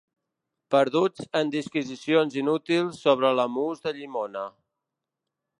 Perduts en disquisicions inútils sobre el mousse de llimona.